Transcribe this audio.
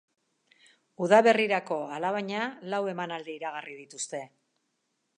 Udaberrirako, alabaina, lau emanaldi iragarri dituzte.